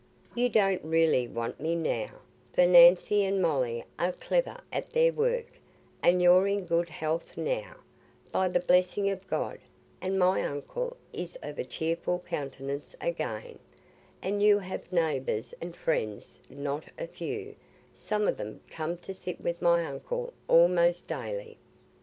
You don't really want me now, for Nancy and Molly are clever at their work, and you're in good health now, by the blessing of God, and my uncle is of a cheerful countenance again, and you have neighbours and friends not a few—some of them come to sit with my uncle almost daily.